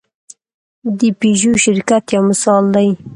د پيژو شرکت یو مثال دی.